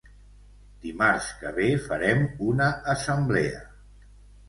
Dimarts que ve farem una assemblea.